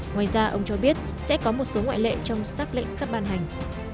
ngoài ra ông cho biết sẽ có một số ngoại lệ trong xác lệnh sắp ban hành